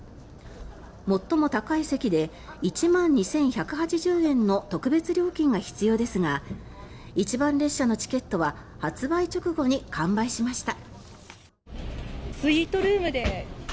最も高い席で１万２１８０円の特別料金が必要ですが一番列車のチケットは発売直後に完売しました。